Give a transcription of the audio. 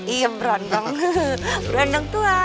iya berondong berondong tua